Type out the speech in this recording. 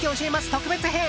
特別編。